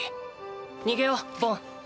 逃げようボン。